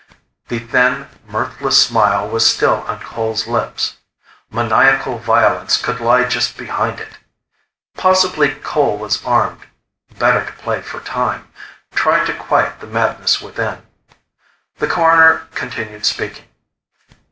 The thin, mirthless smile was still on Cole's lips. Maniacal violence could lie just behind it. Possibly Cole was armed. Better to play for time try to quiet the madness within. The Coroner continued speaking.